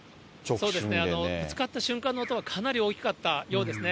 そうですね、ぶつかった瞬間の音はかなり大きかったようですね。